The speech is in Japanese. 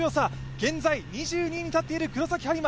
現在２２位に立っている黒崎播磨。